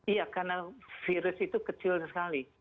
iya karena virus itu kecil sekali